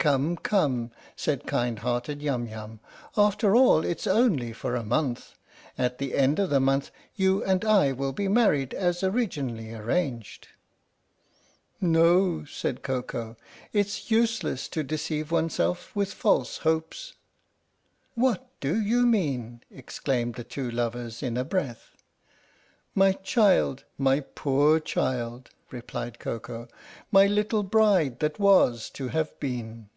" Come, come/' said kind hearted Yum Yum. " After all, it 's only for a month. At the end of the month you and I will be married as originally arranged." 81 G THE STORY OF THE MIKADO " No," said Koko. " It 's useless to deceive oneself with false hopes." "What do you mean?" exclaimed the two lovers in a breath. " My child my poor child," replied Koko " my little bride that was to have been